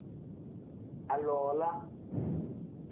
Aliwala.